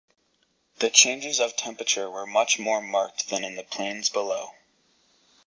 The changes of temperature were much more marked than in the plains below.